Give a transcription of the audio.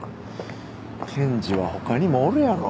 検事は他にもおるやろ。